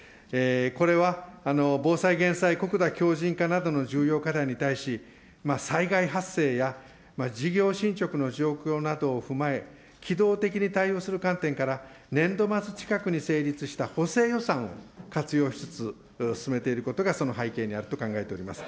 これは防災・減災、国土強じん化などの重要課題に対し、災害発生や事業進捗の状況などを踏まえ、機動的に対応する観点から、年度末近くに成立した補正予算を活用しつつ進めていることが、その背景にあると考えております。